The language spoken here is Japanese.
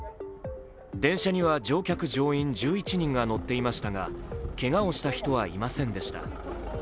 電車には乗客乗員１１人が乗っていましたがけがをした人はいませんでした。